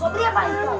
sobri apaan itu